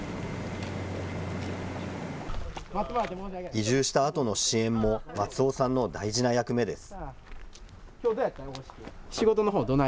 移住したあとの支援も、松尾さんの大事な役目です。